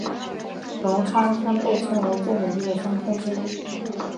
龙川村被称为最美丽的乡村之一。